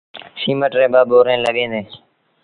سيٚمٽ ريٚݩ ٻآ ٻوريٚݩ لڳيٚن ديٚݩ۔